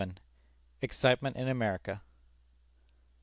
EXCITEMENT IN AMERICA.